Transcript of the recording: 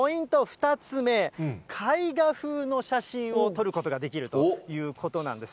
２つ目、絵画風の写真を撮ることができるということなんです。